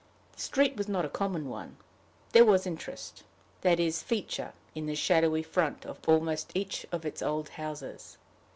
The street was not a common one; there was interest, that is feature, in the shadowy front of almost each of its old houses.